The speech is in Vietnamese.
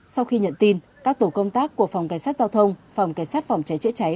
sau khi nhận tin các tổ công tác của phòng cảnh sát giao thông phòng cảnh sát phòng cháy chữa cháy